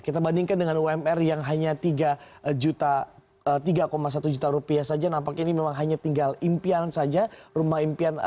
kita bandingkan dengan umr yang hanya tiga satu juta rupiah saja nampaknya ini memang hanya tinggal impian saja rumah impian